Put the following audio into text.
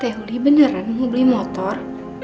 teh uli beneran mau beli motor